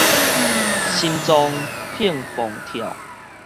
心臟碰碰跳